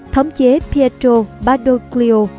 thống chế pietro badoglio